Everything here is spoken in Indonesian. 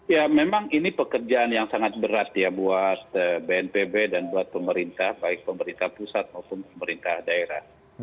ya memang ini pekerjaan yang sangat berat ya buat bnpb dan buat pemerintah baik pemerintah pusat maupun pemerintah daerah